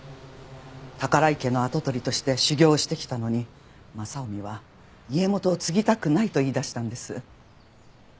宝居家の跡取りとして修行してきたのに雅臣は家元を継ぎたくないと言いだしたんです。